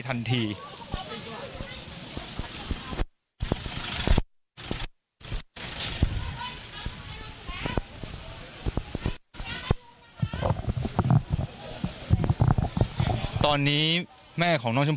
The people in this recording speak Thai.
และมีความหวาดกลัวออกมา